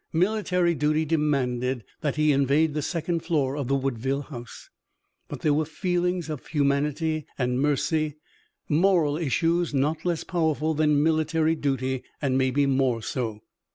Military duty demanded that he invade the second floor of the Woodville house. But there were feelings of humanity and mercy, moral issues not less powerful than military duty, and maybe more so.